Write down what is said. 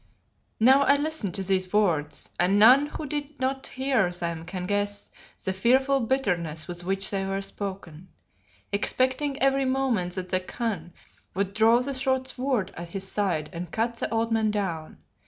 Now I listened to these words and none who did not hear them can guess the fearful bitterness with which they were spoken expecting every moment that the Khan would draw the short sword at his side and cut the old man down.